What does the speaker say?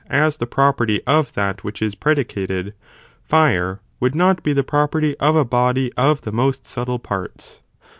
as the property of that which is predicated,? fire would not be the property of a body of the most subtle parts.